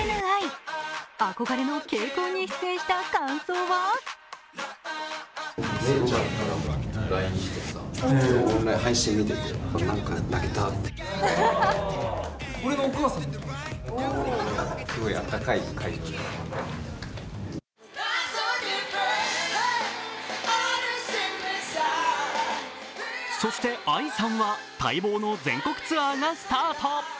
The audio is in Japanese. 憧れのＫＣＯＮに出演した感想はそしてＡＩさんは待望の全国ツアーがスタート。